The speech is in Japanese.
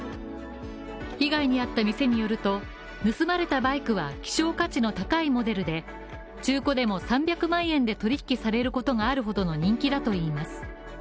被害にあった店によると、盗まれたバイクは、希少価値の高いモデルで、中古でも３００万円で取引されることがあるほどの人気だといいます。